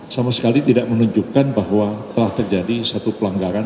sama sekali tidak menunjukkan bahwa telah terjadi satu pelanggaran